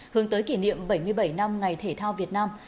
hướng tới kỷ niệm bảy mươi bảy năm ngày thể thao việt nam